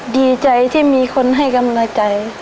ดีใจที่มีคนให้กำลังใจ